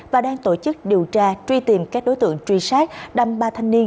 và đang tổ chức điều tra truy tìm các đối tượng truy sát đâm ba thanh niên